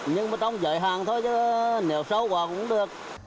nhưng mà trong dạy hàng thôi chứ nếu sâu qua cũng được